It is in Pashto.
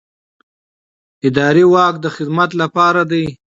اداري واک د خدمت لپاره دی.